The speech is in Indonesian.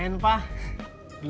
bantuin papa bawa ke dalam